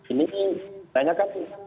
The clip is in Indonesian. ini sebenarnya kan